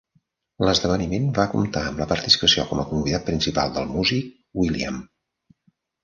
L'esdeveniment va comptar amb la participació com a convidat principal del músic will.i.am.